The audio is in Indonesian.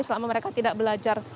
selama mereka tidak belajar